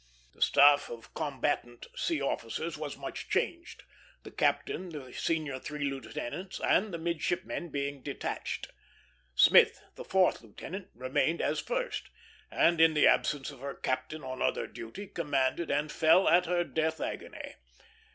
The staff of combatant sea officers was much changed; the captain, the senior three lieutenants, and the midshipmen being detached. Smith, the fourth lieutenant, remained as first; and, in the absence of her captain on other duty, commanded and fell at her death agony.